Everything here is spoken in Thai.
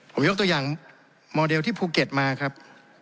ผมยกตัวอย่างโมเดลที่ภูเก็ตมาครับ